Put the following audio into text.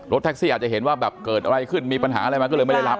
แท็กซี่อาจจะเห็นว่าแบบเกิดอะไรขึ้นมีปัญหาอะไรมาก็เลยไม่ได้รับ